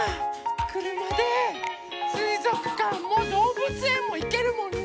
くるまですいぞくかんもどうぶつえんもいけるもんね。